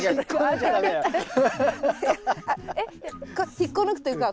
引っこ抜くというか